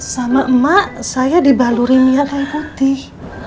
sama emak saya dibaluri minyak kayu putih